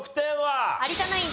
有田ナイン